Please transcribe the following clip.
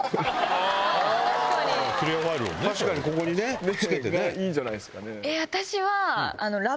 確かにここにね。いいんじゃないですかね。